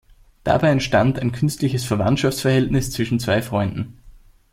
Dabei entstand ein künstliches Verwandtschaftsverhältnis zwischen zwei Freunden.